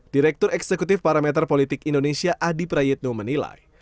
direktur eksekutif parameter politik indonesia adi prayitno menilai